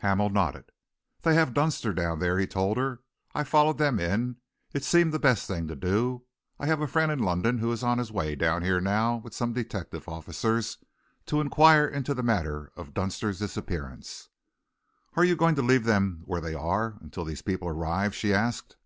Hamel nodded. "They have Dunster down there," he told her. "I followed them in; it seemed the best thing to do. I have a friend from London who is on his way down here now with some detective officers, to enquire into the matter of Dunster's disappearance." "Are you going to leave them where they are until these people arrive?" she asked.